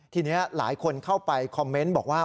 ทีนี้หลายคนเข้าไปคอมเมนต์บอกว่า